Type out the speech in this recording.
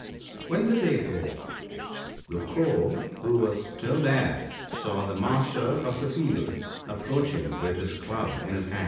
1 When the day broke, the Crow (who was still there) saw the master of the field approaching with his club in his hand.